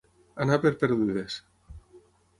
Anar per perdudes.